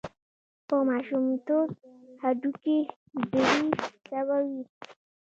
په ماشومتوب هډوکي درې سوه وي.